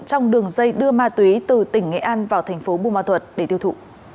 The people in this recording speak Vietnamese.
trong đường dây đưa ma túy từ tỉnh nghệ an vào thành phố bù ma thuật để tiêu thụ